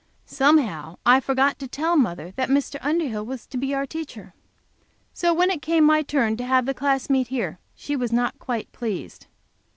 Somehow I forgot to tell mother that Mr. Underhill was to be our teacher. So when it came my turn to have the class meet here, she was not quite pleased.